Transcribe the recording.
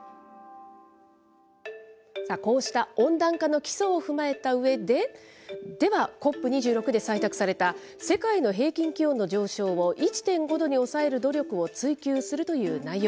こうした温暖化の基礎を踏まえたうえで、では、ＣＯＰ２６で採択された、世界の平均気温の上昇を１．５度に抑える努力を追求するという内容。